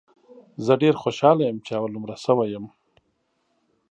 زه ډېر خوشاله یم ، چې اول نمره سوی یم